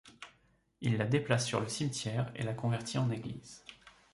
Il la déplace sur le cimetière et la convertit en église.